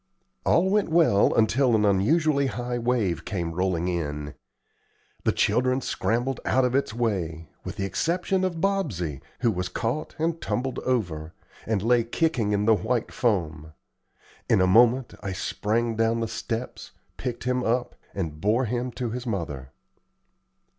All went well until an unusually high wave came rolling in. The children scrambled out of its way, with the exception of Bobsey, who was caught and tumbled over, and lay kicking in the white foam. In a moment I sprang down the steps, picked him up, and bore him to his mother.